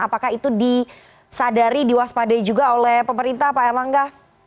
apakah itu disadari diwaspadai juga oleh pemerintah pak erlangga